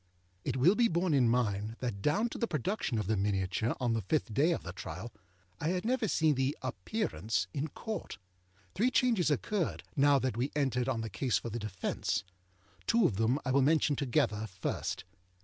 It will be borne in mind that down to the production of the miniature, on the fifth day of the trial, I had never seen the Appearance in Court. Three changes occurred now that we entered on the case for the defence. Two of them I will mention together, first.